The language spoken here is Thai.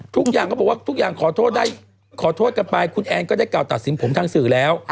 ทุกอย่างเขาบอกว่าขอโทษกับไปคุณแอนก็ได้กาวตัดสินผมทั้งสื่อแล้ว